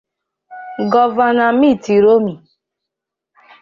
Gọvanọ Mitt Romney